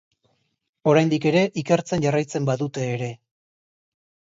Oraindik ere ikertzen jarraitzen badute ere.